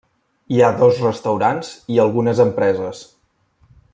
Hi ha dos restaurants i algunes empreses.